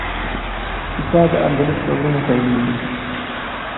کیسه د اندلس له غرونو پیلیږي.